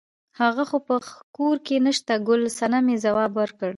هغه خو په کور کې نشته ګل صمنې ځواب ورکړ.